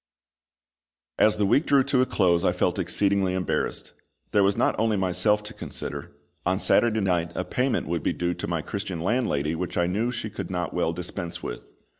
As the week drew to a close I felt exceedingly embarrassed. There was not only myself to consider; on Saturday night a payment would be due to my Christian landlady which I knew she could not well dispense with.